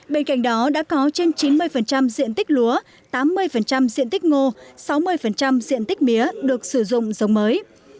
bên cạnh đó đã có trên chín mươi diện tích lúa tám mươi diện tích ngô sáu mươi diện tích mía được sử dụng giống mới